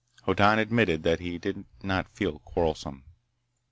Hoddan admitted that he did not feel quarrelsome.